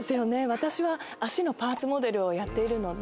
私は脚のパーツモデルをやっているので。